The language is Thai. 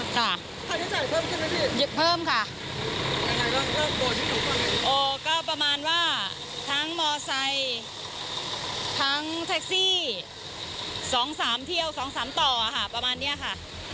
ทางเท็กซี่๒๓เที่ยว๒๓ต่อค่ะประมาณนี้ค่ะ